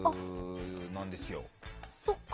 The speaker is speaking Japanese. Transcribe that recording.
なんですよ。